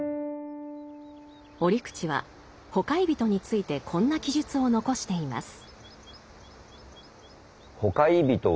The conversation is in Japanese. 折口は「ほかひゞと」についてこんな記述を残しています。